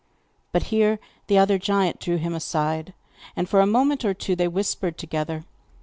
But here the other giant drew him aside, and for a moment or two they whispered together.